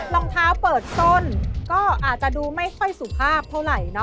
รองเท้าเปิดต้นก็อาจจะดูไม่ค่อยสุภาพเท่าไหร่